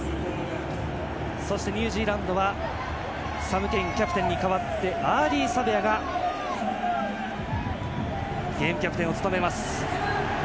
そしてニュージーランドはサム・ケインキャプテンに代わりアーディー・サベアがゲームキャプテンを務めます。